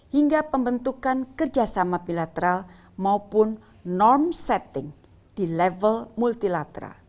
hingga pembentukan kerjasama bilateral maupun norm setting di level multilateral